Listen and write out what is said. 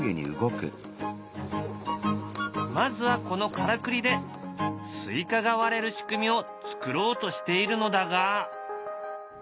まずはこのからくりでスイカが割れる仕組みを作ろうとしているのだが。